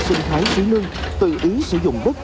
sinh thái sứ lương tự ý sử dụng đất